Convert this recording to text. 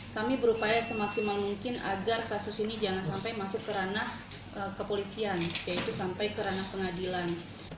kami berupaya semaksimal mungkin agar kasus ini jangan sampai masuk ke ranah kepolisian yaitu sampai ke ranah pengadilan